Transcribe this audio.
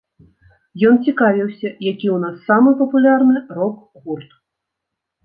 Ён цікавіўся, які ў нас самы папулярны рок-гурт.